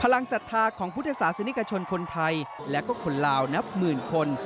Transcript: ลังศรัทธาของพุทธศาสนิกชนคนไทยและก็คนลาวนับหมื่นคน